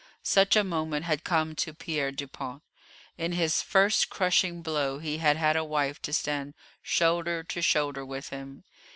Such a moment had come to Pierre Dupont. In his first crushing blow he had had a wife to stand shoulder to shoulder with him.